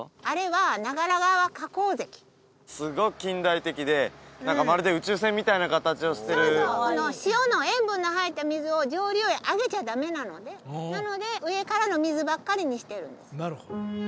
あれは長良川河口堰すごく近代的で何かまるで宇宙船みたいな形をしてるそうそう塩分の入った水を上流へ上げちゃダメなのでなので上からの水ばっかりにしてるんです